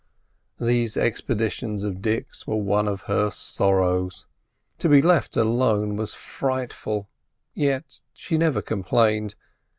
These expeditions of Dick's were one of her sorrows. To be left alone was frightful; yet she never complained.